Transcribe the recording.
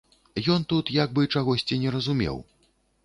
Ён тут як бы чагосьці не разумеў.